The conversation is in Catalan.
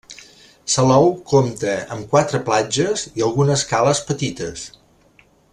Salou compta amb quatre platges i algunes cales petites.